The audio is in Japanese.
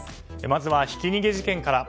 まずは、ひき逃げ事件から。